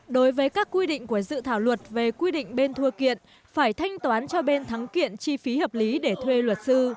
đối với các quy định của dự thảo luật về quy định bên thua kiện phải thanh toán cho bên thắng kiện chi phí hợp lý để thuê luật sư